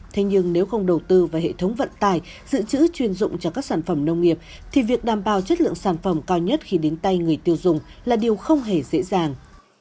thế nhưng nếu không đầu tư vào hệ thống vận tải dự trữ chuyên dụng cho các sản phẩm nông nghiệp thì việc đảm bảo chất lượng sản phẩm cao nhất khi đến tay người tiêu dùng là điều không hề dễ dàng